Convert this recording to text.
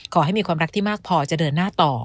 ขอให้มีความรักที่มากพอจะเดินหน้าต่อ